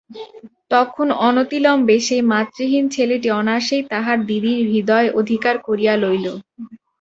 তখন অনতিবিলম্বেই সেই মাতৃহীন ছেলেটি অনায়াসেই তাহার দিদির হৃদয় অধিকার করিয়া লইল।